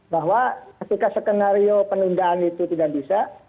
bahwa ketika skenario penundaan itu tidak bisa